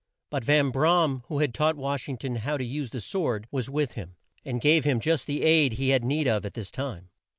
But Van Bra am, who had taught Wash ing ton how to use the sword, was with him, and gave him just the aid he had need of at this time.